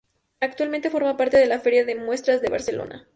Actualmente forma parte de la Feria de Muestras de Barcelona.